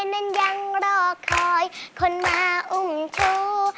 นั้นยังรอคอยคนมาอุ้มครู